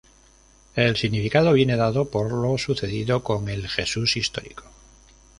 El significado viene dado por lo sucedido con el Jesús histórico.